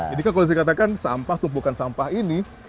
jadi kalau saya katakan sampah tumpukan sampah ini